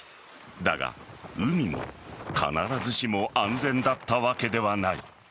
だが、海も必ずしも安全だったわけではない。